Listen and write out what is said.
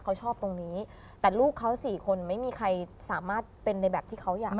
เขาชอบตรงนี้แต่ลูกเขาสี่คนไม่มีใครสามารถเป็นในแบบที่เขาอยาก